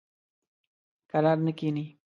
کرار نه کیني.